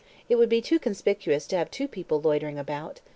It would be too conspicuous to have two people loitering about.